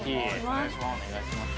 お願いします。